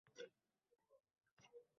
Ana endi soyada dam olish mumkin